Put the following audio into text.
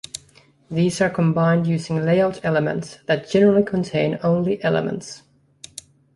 These are combined using layout elements, that generally contain only elements.